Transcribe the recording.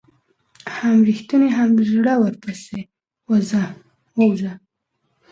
هم ريښتونى هم زړه ور ورپسي ووزه